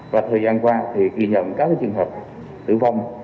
và thời gian qua thì ghi nhận các trường hợp tử vong